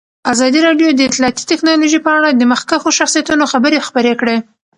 ازادي راډیو د اطلاعاتی تکنالوژي په اړه د مخکښو شخصیتونو خبرې خپرې کړي.